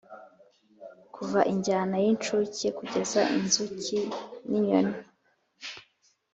kuva injyana y'incuke kugeza inzuki n'inyoni